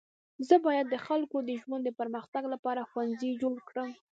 زه باید د خلکو د ژوند د پرمختګ لپاره ښوونځی جوړه کړم.